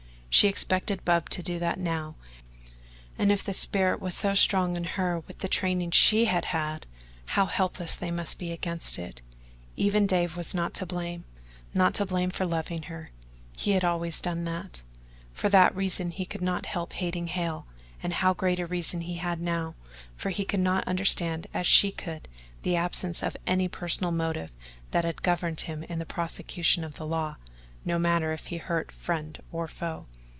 She expected Bub to do that now, and if the spirit was so strong in her with the training she had had, how helpless they must be against it. Even Dave was not to blame not to blame for loving her he had always done that. For that reason he could not help hating Hale, and how great a reason he had now, for he could not understand as she could the absence of any personal motive that had governed him in the prosecution of the law, no matter if he hurt friend or foe.